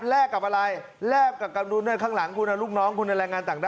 แลกกับอะไรแลกกับดูหยั่งหลังคุณรุกน้องเองในรายงานต่างนั้น